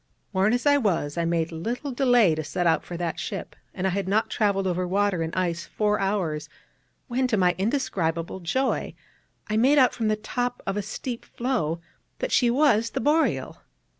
Worn as I was, I made little delay to set out for that ship; and I had not travelled over water and ice four hours when, to my in describable joy, I made out from the top of a steep floe that she was the Boreal.